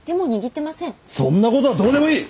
そんなことはどうでもいい！